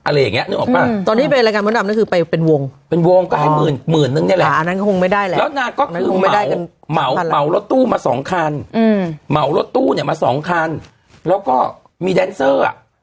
เหมารถตู้มา๒คันแล้วก็มีแดนเซอร์